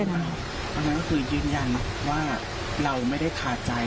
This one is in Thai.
ตอนนั้นก็คือยืนยันว่าเราไม่ได้คาใจ